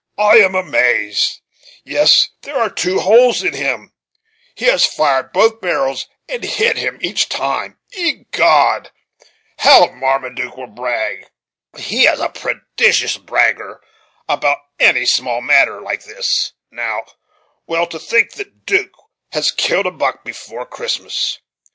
I am amazed! Yes, here are two holes in him, he has fired both barrels, and hit him each time, Egod! how Marmaduke will brag! he is a prodigious bragger about any small matter like this now; well, to think that 'Duke has killed a buck before Christmas!